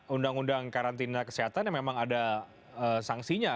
undang undang karantina kesehatan yang memang ada sanksinya